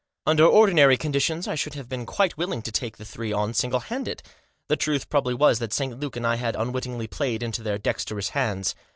Under ordinary condi tions I should have been quite willing to take the three on single handed. The truth probably was that St Luke and I had unwittingly played into their dexterous hands.